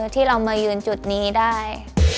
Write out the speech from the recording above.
ที่เรามายืนจุดนี้ได้